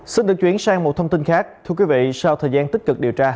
xin được chuyển sang một thông tin khác thưa quý vị sau thời gian tích cực điều tra